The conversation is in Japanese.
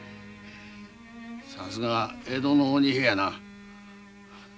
さすが江戸の鬼平やな。